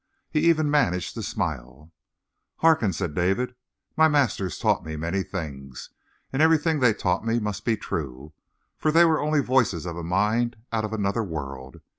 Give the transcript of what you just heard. He even managed to smile. "Hearken," said David. "My masters taught me many things, and everything they taught me must be true, for they were only voices of a mind out of another world.